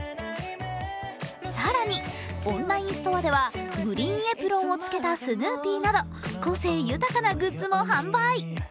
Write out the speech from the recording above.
更にオンラインストアではグリーンエプロンをつけたスヌーピーなど個性豊かなグッズも販売。